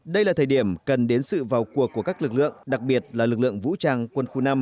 đây là thời điểm cần đến sự vào cuộc của các lực lượng đặc biệt là lực lượng vũ trang quân khu năm